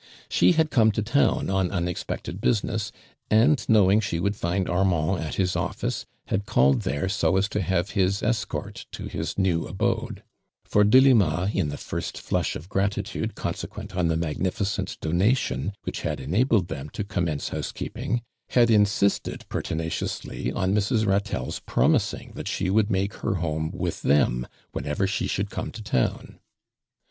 SJio had come to town on unexpected business, and knowing she would Hnd Armand at his office, had ealled there so as to have liis escort to his new abode; for Delinm in the first Hush of gratitude consequent on the magniHcent donation wliich had enabled them to commence housekeeping, liad insisted pertinaciously on Mrs. Katelle's l)romising that she would make her home Avith them whenever she should come to town.